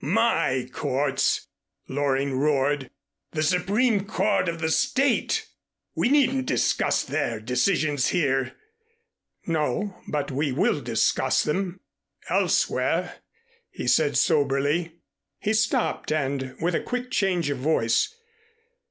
"My courts!" Loring roared. "The Supreme Court of the State! We needn't discuss their decisions here." "No, but we will discuss them elsewhere," he said soberly. He stopped and, with a quick change of voice.